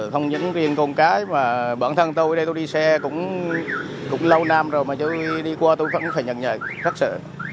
không những riêng con cái mà bản thân tôi ở đây tôi đi xe cũng lâu năm rồi mà tôi đi qua tôi vẫn phải nhận nhạy rất sợ